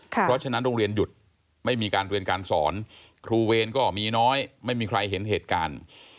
เพราะฉะนั้นโรงเรียนหยุดไม่มีการเรียนการสอนครูเวรก็มีน้อยไม่มีใครเห็นเหตุการณ์